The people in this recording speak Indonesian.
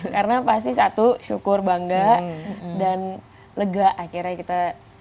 karena pasti satu syukur bangga dan lega akhirnya kita